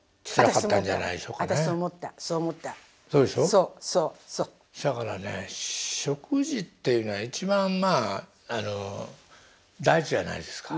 せやからね食事っていうのは一番まああの大事やないですか。